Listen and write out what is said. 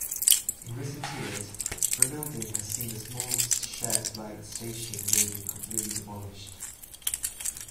In recent years, rebuilding has seen the small shed-like station building completely demolished.